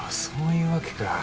そういうわけか。